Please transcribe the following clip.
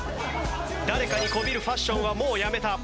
誰かにこびるファッションはもうやめた。